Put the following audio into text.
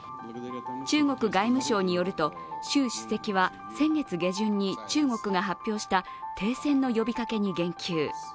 中国外務省によると、習主席は先月下旬に中国が発表した停戦の呼びかけに言及。